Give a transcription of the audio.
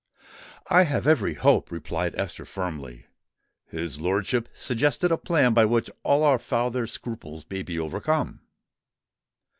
"I have every hope," replied Esther, firmly. "His lordship suggested a plan by which all our father's scruples may be overcome."